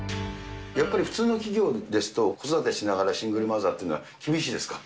やっぱり普通の企業ですと、子育てしながらシングルマザーっていうのは厳しいですか？